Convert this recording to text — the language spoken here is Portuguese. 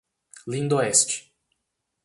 Lindoeste